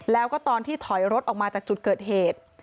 แล้วก็ตอนที่ถอยรถออกมาจากจุดเกิดเหตุ